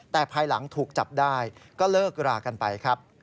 แต่ภายหลังถูกจับได้ก็เลิกรากันไปครับ